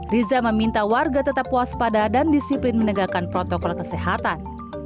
riza meminta warga tetap puas pada dan disiplin menegakkan protokol kesehatan